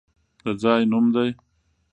د ځای نوم دی!